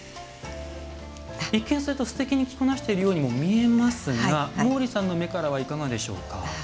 一見すると、すてきに着こなしているようにも見えますが毛利さんの目からはいかがでしょうか？